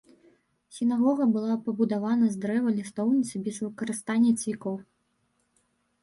Сінагога была пабудавана з дрэва лістоўніцы без выкарыстання цвікоў.